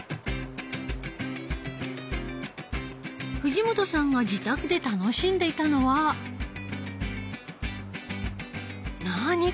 藤本さんが自宅で楽しんでいたのはなあに？